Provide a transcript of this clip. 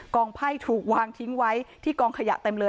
ไพ่ถูกวางทิ้งไว้ที่กองขยะเต็มเลย